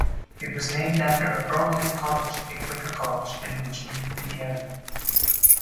It was named after Earlham College, a Quaker college in Richmond, Indiana.